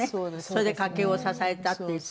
それで家計を支えたっていう。